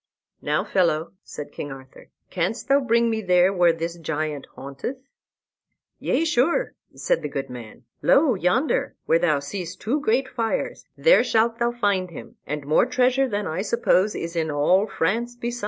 "Now, fellow," said King Arthur, "canst thou bring me there where this giant haunteth?" "Yea, sure," said the good man; "lo, yonder where thou seest two great fires, there shalt thou find him, and more treasure than I suppose is in all France beside."